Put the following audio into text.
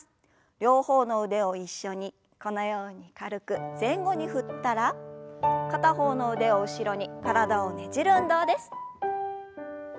両方の腕を一緒にこのように軽く前後に振ったら片方の腕を後ろに体をねじる運動です。